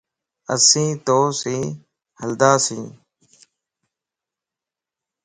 اسين تو سين ھلنداسين